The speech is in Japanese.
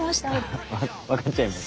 ハハッ分かっちゃいます？